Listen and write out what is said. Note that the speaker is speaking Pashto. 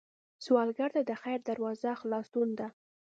سوالګر ته د خیر دروازه خلاصون ده